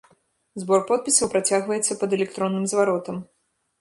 Збор подпісаў працягваецца пад электронным зваротам.